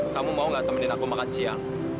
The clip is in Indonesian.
kamu mau gak temenin aku makan siang